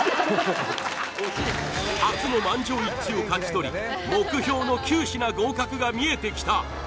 初の満場一致を勝ち取り目標の９品合格が見えてきた！